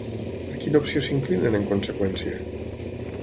Per quina opció s'inclinen, en conseqüència?